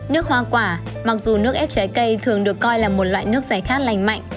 nước hoa quả mặc dù nước ép trái cây thường được coi là một loại nước giải khát lành mạnh